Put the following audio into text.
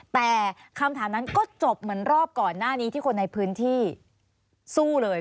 แต่คำถามนั้นก็จบเหมือนรอบก่อนหน้านี้ที่คนในพื้นที่สู้เลย